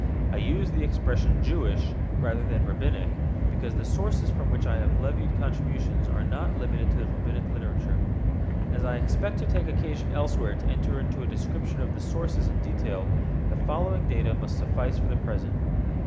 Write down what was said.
I use the expression Jewish, rather than Rabbinic, because the sources from which I have levied contributions are not limited to the Rabbinic literature. As I expect to take occasion elsewhere to enter into a description of the sources in detail, the following data must suffice for the present.